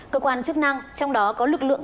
cơ quan chức năng trong đó có lực lượng